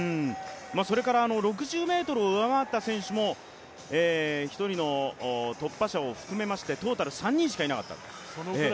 それから６０ｍを上回った選手も一人の突破者を含めまして３人しかいなかった。